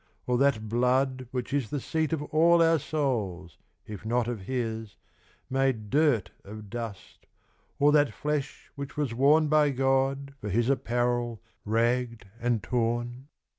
or that blood which isThe seat of all our Soules, if not of his, Made durt of dust, or that flesh which was worneBy God, for his apparell, rag'd, and torne?